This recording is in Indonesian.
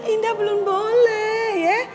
indah belum boleh ya